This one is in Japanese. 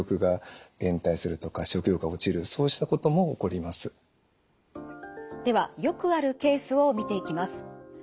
例えばではよくあるケースを見ていきます。